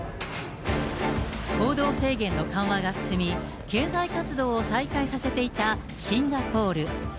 行動制限の緩和が進み、経済活動を再開させていたシンガポール。